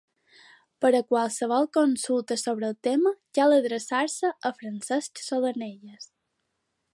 Per a qualsevol consulta sobre el tema cal adreçar-se a Francesc Solanelles.